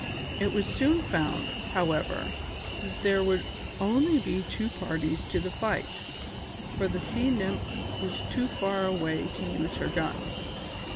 It was soon found, however, that there would only be two parties to the fight, for the Sea Nymph was too far away to use her guns.